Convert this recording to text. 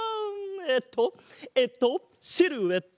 えっとえっとシルエット！